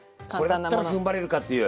これだったらふんばれるかっていう。